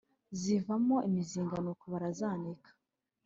Zivamo imizinga nuko barazanika